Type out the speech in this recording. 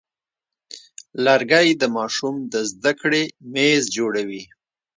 لرګی د ماشوم د زده کړې میز جوړوي.